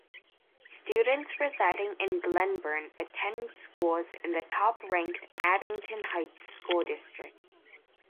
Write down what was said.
Students residing in Glenburn attend schools in the top-ranked Abington Heights School District.